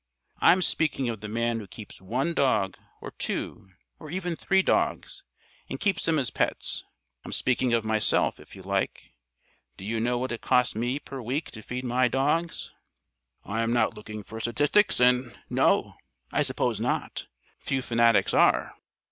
I'm speaking of the man who keeps one dog or two or even three dogs, and keeps them as pets. I'm speaking of myself, if you like. Do you know what it costs me per week to feed my dogs?" "I'm not looking for statistics in " "No, I suppose not. Few fanatics are.